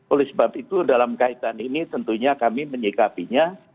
oleh sebab itu dalam kaitan ini tentunya kami menyikapinya